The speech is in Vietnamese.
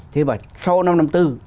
thế mà sau năm trăm năm mươi bốn